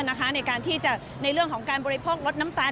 ในการที่จะในเรื่องของการบริโภคลดน้ำตาล